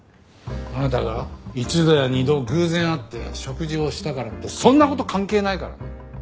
あなたが一度や二度偶然会って食事をしたからってそんな事関係ないからね！